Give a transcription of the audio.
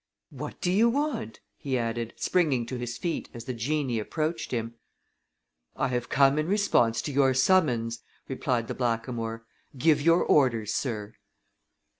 "What do you want?" he added, springing to his feet as the genie approached him. "I have come in response to your summons," replied the blackamoor. "Give your orders, sir!"